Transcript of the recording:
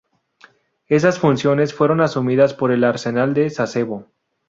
Esas funciones fueron asumidas por el Arsenal de Sasebo.